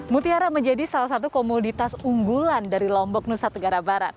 mutiara menjadi salah satu komoditas unggulan dari lombok nusa tenggara barat